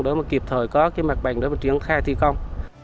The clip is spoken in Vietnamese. để kịp thời có mặt bành để triển khai thi công